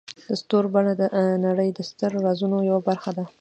د ستوري بڼه د نړۍ د ستر رازونو یوه برخه ده.